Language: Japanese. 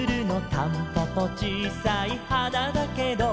「たんぽぽちいさい花だけど」